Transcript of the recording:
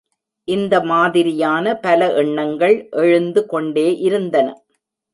இந்த மாதிரியான பல எண்ணங்கள் எழுந்து கொண்டே இருந்தன.